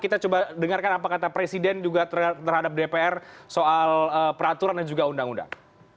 kita coba dengarkan apa kata presiden juga terhadap dpr soal peraturan dan juga undang undang